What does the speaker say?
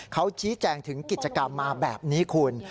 เขาชี้แจงถึงกิจกรรมมาแบบนี้คุณ